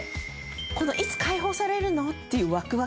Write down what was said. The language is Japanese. このいつ解放されるの？っていうワクワク感。